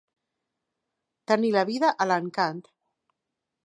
Tenir la vida a l'encant.